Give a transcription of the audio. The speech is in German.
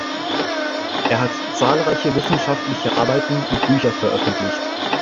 Er hat zahlreiche wissenschaftliche Arbeiten und Bücher veröffentlicht.